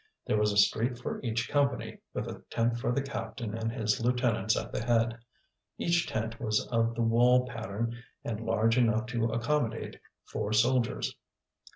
There was a street for each company, with a tent for the captain and his lieutenants at the head. Each tent was of the wall pattern and large enough to accommodate four soldiers.